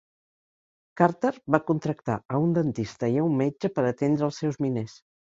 Carter va contractar a un dentista i a un metge per a atendre els seus miners.